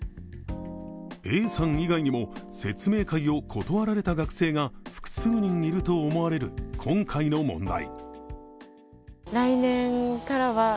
Ａさん以外にも説明会を断られた学生が複数人いると思われる今回の問題。